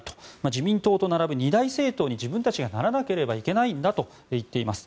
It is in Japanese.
自民党と並ぶ二大政党に自分たちならなければいけないんだといっています。